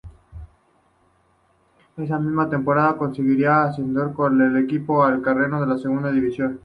Esa misma temporada, conseguiría ascender con el equipo alcarreño a Segunda División.